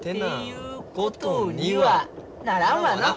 いうことにはならんわな！